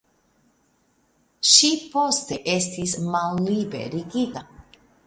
Ŝi poste estis malliberigita.